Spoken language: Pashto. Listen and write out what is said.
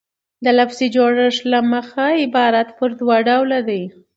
د لفظي جوړښت له مخه عبارت پر دوه ډوله ډﺉ.